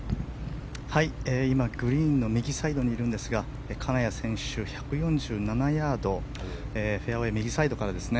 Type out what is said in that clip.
今、グリーンの右サイドにいるんですが金谷選手、１４７ヤードフェアウェー右サイドからですね。